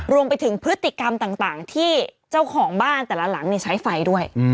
รวมไปถึงพฤติกรรมต่างที่เจ้าของบ้านแต่ละหลังใช้ไฟด้วย